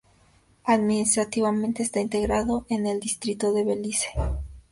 Administrativamente está integrado en el Distrito de Belice.